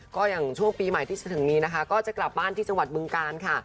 ก็อย่างช่วงปีใหม่ที่จะถึงนี้นะคะก็จะกลับบ้านที่จังหวัดบึงการค่ะ